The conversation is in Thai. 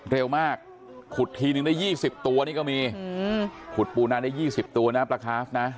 เร็วมากขุดทีนึงได้๒๐ตัวนี่ก็มีขุดปูนาได้๒๐ตัวนะปลาคาฟนะ